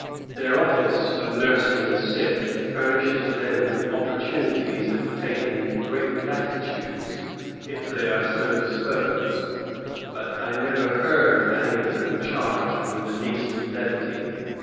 Their office of nursing the sick furnishes them with opportunities of taking great latitudes if they are so disposed; but I never heard any of them charged with the least levity."